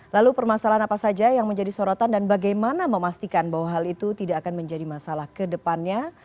lalu permasalahan apa saja yang menjadi sorotan dan bagaimana memastikan bahwa hal itu tidak akan menjadi masalah ke depannya